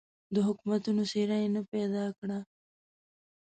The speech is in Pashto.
د حکومتونو څېره یې نه پیدا کړه.